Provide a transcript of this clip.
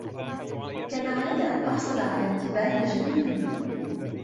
كان عليّ أن أحصل على انتباه الجميع.